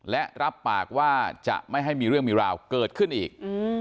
และรับปากว่าจะไม่ให้มีเรื่องมีราวเกิดขึ้นอีก